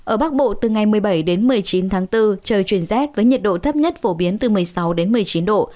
ở bắc bộ từ ngày một mươi bảy đến một mươi chín tháng bốn trời chuyển rét với nhiệt độ thấp nhất phổ biến từ một mươi sáu đến một mươi chín độ